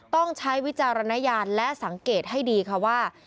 ต้องใช้วิจารณญาณและสังเกตให้ดีค่ะว่า